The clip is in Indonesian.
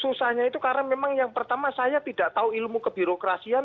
susahnya itu karena memang yang pertama saya tidak tahu ilmu kebirokrasian